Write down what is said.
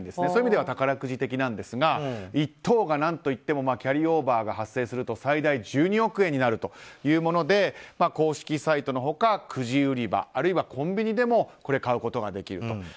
そういう意味では宝くじ的なんですが１等が何と言ってもキャリーオーバーが発生すると最大１２億円になるというもので公式サイトの他くじ売り場、あるいはコンビニでも買うことができると。